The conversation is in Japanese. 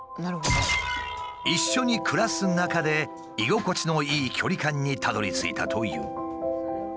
一緒に暮らす中で居心地のいい距離感にたどりついたという。